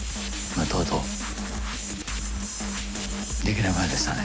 とうとうできないままでしたね。